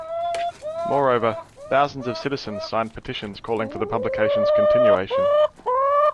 Moreover, thousands of citizens signed petitions calling for the publication's continuation.